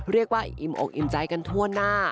เรียกว่าอิ่มอกอิมใจกันทั่วหน้า